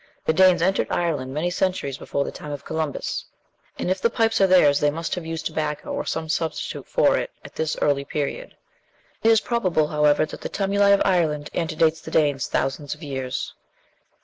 The Danes entered Ireland many centuries before the time of Columbus, and if the pipes are theirs, they must have used tobacco, or some substitute for it, at that early period. It is probable, however, that the tumuli of Ireland antedate the Danes thousands of years.